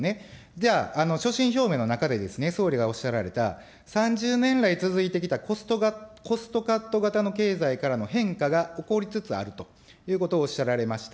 じゃあ、所信表明の中でですね、総理がおっしゃられた、３０年来続いてきたコストカット型の経済からの変化が起こりつつあるということをおっしゃられました。